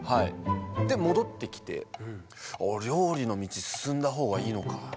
戻ってきて「料理の道進んだほうがいいのか」。